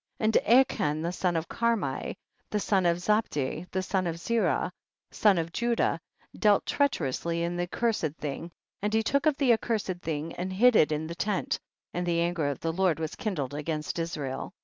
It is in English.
24. And Achan the son of Carmi, the son of Zabdi, the son of Zerah, son of Judah, dealt treacherously in the accursed thing, and he took of the accursed thing and hid it in the tent, and the anger of the Lord was kindled against Israel.